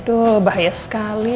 aduh bahaya sekali